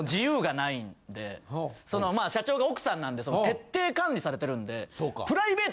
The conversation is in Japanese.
そのまあ社長が奥さんなんで徹底管理されてるんで。